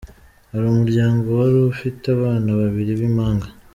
Hari umuryango wari ufite abana babiri b’impanga.